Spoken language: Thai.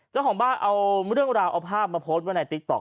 เจ้าของบ้านเอาเรื่องราวเอาภาพมาโพสต์ไว้ในติ๊กต๊อ